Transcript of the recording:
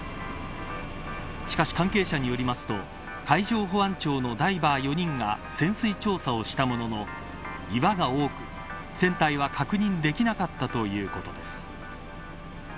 しかし関係者によりますと海上保安庁のダイバー４人が潜水調査をしたものの岩が多く、船体は確認できなかったということです。